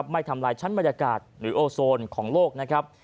ไม่ทำลายชั้นบรรยากาศหรือโอโซนของโลกนะครับ